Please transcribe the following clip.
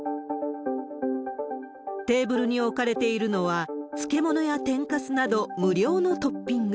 テーブルに置かれているのは、漬物や天かすなど無料のトッピング。